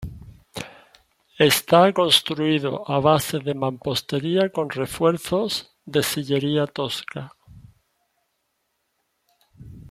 Está construido a base de mampostería con refuerzos de sillería tosca.